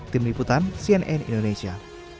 tim liputan cnn indonesia